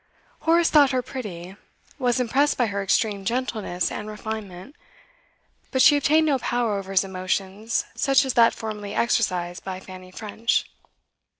Horace thought her pretty, was impressed by her extreme gentleness and refinement, but she obtained no power over his emotions such as that formerly exercised by Fanny French.